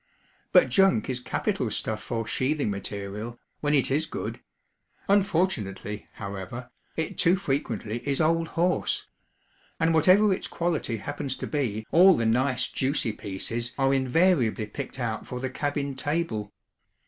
But junk is capital stuff for sheathing material, when it is good: unfortunately, however, it too frequently is 'old horse;' and whatever its quality happens to be, all the nice juicy pieces are invariably picked out for the cabin table.